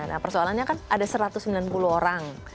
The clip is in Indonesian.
nah persoalannya kan ada satu ratus sembilan puluh orang